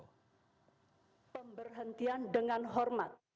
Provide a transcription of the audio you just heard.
pemberhentian dengan hormat